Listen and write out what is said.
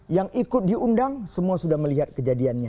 yang ikut diundang semua sudah melihat kejadiannya